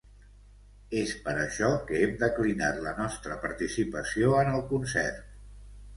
És per això que hem declinat la nostra participació en el concert.